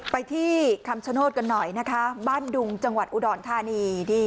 ไปที่คำชโนธกันหน่อยนะคะบ้านดุงจังหวัดอุดรธานี